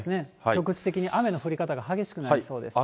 局地的に雨の降り方が激しくなりそうです。